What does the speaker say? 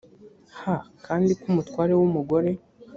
h kandi ko umutware w umugore